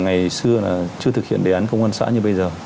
ngày xưa là chưa thực hiện đề án công an xã như bây giờ